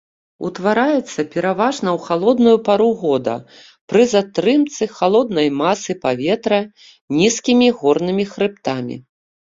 Ўтвараецца пераважна ў халодную пару года пры затрымцы халоднай масы паветра нізкімі горнымі хрыбтамі.